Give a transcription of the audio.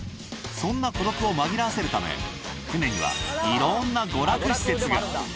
そんな孤独を紛らわせるため、船にはいろんな娯楽施設が。